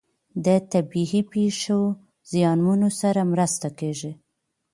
د طبیعي پیښو زیانمنو سره مرسته کیږي.